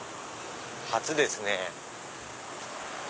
初ですね。